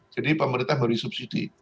jadi pemerintah beli subsidi